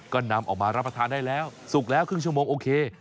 ก็นำออกมารับประทานได้แล้วสุกแล้วครึ่งชั่วโมงโอเค